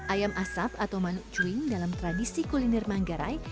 ayam asap atau manuk cuing dalam tradisi kuliner manggarai